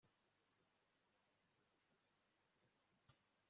Wagiye kuryama saa mbiri za mugitondo Ntibitangaje kubona uyumunsi usinziriye